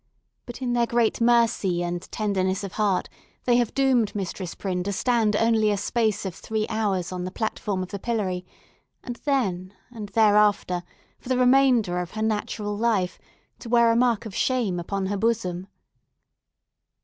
But in their great mercy and tenderness of heart they have doomed Mistress Prynne to stand only a space of three hours on the platform of the pillory, and then and thereafter, for the remainder of her natural life to wear a mark of shame upon her bosom."